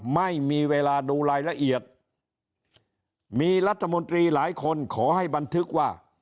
ไม่มีเวลาดูรายละเอียดมีรัฐมนตรีหลายคนขอให้บันทึกว่า